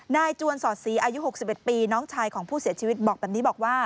จวนสอดศรีอายุ๖๑ปีน้องชายของผู้เสียชีวิตบอกแบบนี้บอกว่า